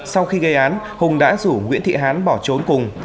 sau khi gây án hùng đã rủ nguyễn thị hán bỏ trốn cùng